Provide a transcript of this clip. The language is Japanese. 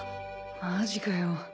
マジかよ。